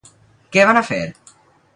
Què van a fer?